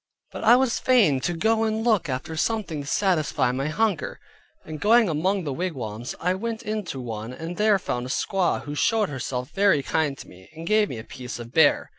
But I was fain to go and look after something to satisfy my hunger, and going among the wigwams, I went into one and there found a squaw who showed herself very kind to me, and gave me a piece of bear.